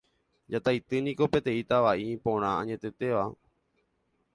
Jataity niko peteĩ tava'i iporã añetetéva